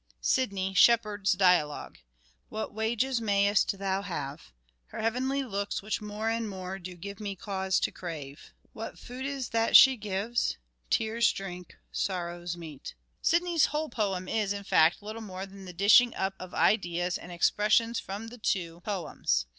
Sidney (Shepherd's Dialogue) : What wages mayest thou have ? Her heavenly looks which more and more Do give me cause to crave. What food is that she gives ? Tear's drink, sorrow's meat. Sidney's whole poem is, in fact, little more than the dishing up of ideas and expressions from the two MANHOOD OF DE VERE : MIDDLE PERIOD 299 poems.